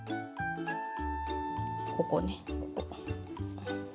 ここねこう。